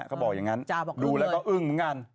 เขาบอกอย่างนั้นดูแล้วก็อึ้งเหมือนกัน